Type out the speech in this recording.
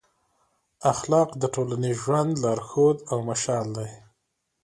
اخلاق د ټولنیز ژوند لارښود او مشال دی.